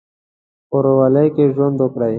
په ورورولۍ کې ژوند وکړئ.